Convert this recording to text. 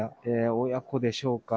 親子でしょうか。